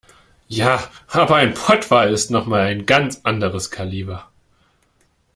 Ja, aber ein Pottwal ist noch mal ein ganz anderes Kaliber.